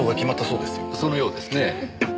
そのようですねぇ。